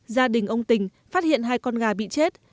gia đình ông tình phát hiện hai con gà bị chết